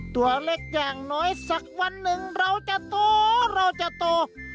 ตัวเล็กอย่างน้อยสักวันหนึ่งเราจะโตเราจะโต